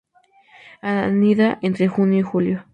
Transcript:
Anida entre junio y julio.